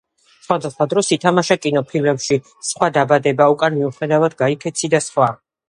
სხვადასხვა დროს ითამაშა კინოფილმებში: „სხვა“, „დაბადება“, „უკან მოუხედავად გაიქეცი“ და სხვა.